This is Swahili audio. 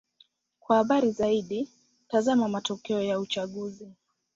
Kwa habari zaidi: tazama matokeo ya uchaguzi.